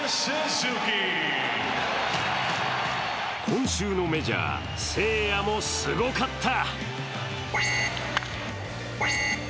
今週のメジャー、誠也もすごかった。